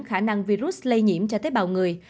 khả năng virus lây nhiễm cho tế bào người